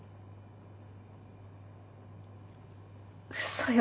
嘘よ